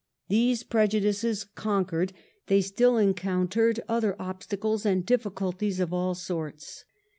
These prejudices con quered, they still encountered other obstacles and difl&culties of all sorts.